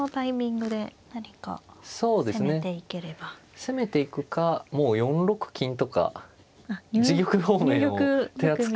攻めていくかもう４六金とか自玉方面を手厚く。